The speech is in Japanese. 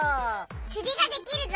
釣りができるぞ！